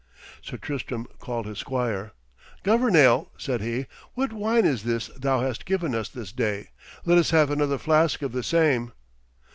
Sir Tristram called his squire. 'Governale,' said he, 'what wine is this thou hast given us this day? Let us have another flask of the same.'